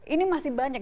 ini masih banyak